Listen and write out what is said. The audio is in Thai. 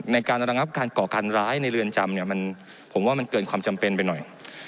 ในการระงับการก่อการร้ายในเรือนจำเนี่ยมันผมว่ามันเกินความจำเป็นไปหน่อย